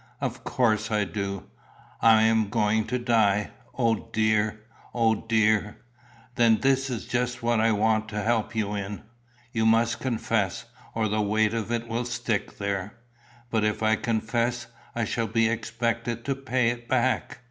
"Of course I do. I am going to die. O dear! O dear!" "Then that is just what I want to help you in. You must confess, or the weight of it will stick there." "But, if I confess, I shall be expected to pay it back?"